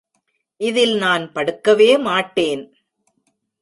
இதில் நான் படுக்கவே மாட்டேன்!